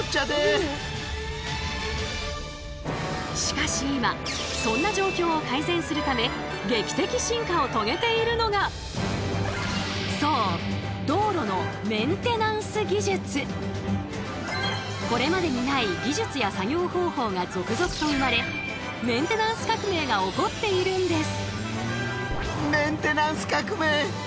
しかし今そんな状況を改善するため劇的進化を遂げているのがそうこれまでにない技術や作業方法が続々と生まれメンテナンス革命が起こっているんです。